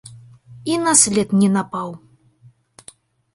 І на след не напаў.